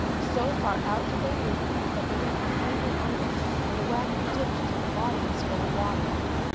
So far out did they leap that they went completely under and the wagon dipped until the body was full of water.